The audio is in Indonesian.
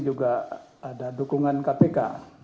juga ada dukungan kpk